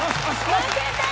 負けた！